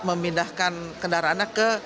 memindahkan kendaraannya ke